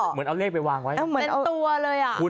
เหมือนเอาเลขไปวางไว้เป็นตัวเลยอะ